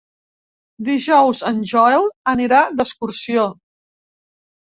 Dijous en Joel anirà d'excursió.